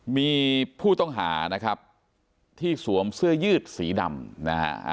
มีผู้ต้องหานะครับที่สวมเสื้อยืดสีดำนะฮะ